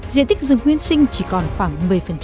diện tích rừng nguyên sinh chỉ còn khoảng một mươi